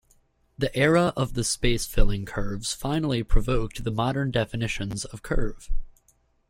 The era of the space-filling curves finally provoked the modern definitions of curve.